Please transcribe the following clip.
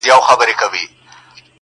• له پلرونو له نیکونو تعویذګر یم -